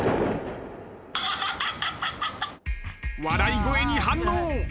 笑い声に反応。